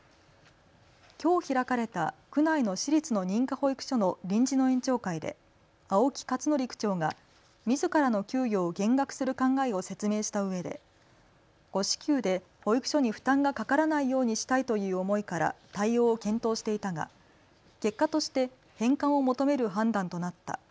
きょう開かれた区内の私立の認可保育所の臨時の園長会で青木克徳区長がみずからの給与を減額する考えを説明したうえで誤支給で保育所に負担がかからないようにしたいという思いから対応を検討していたが結果として返還を求める判断となった。